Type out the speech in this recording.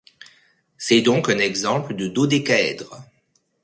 C'est donc un exemple de dodécaèdre.